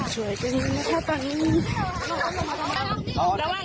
ช่วยตัวนี้นะชาวบ้าน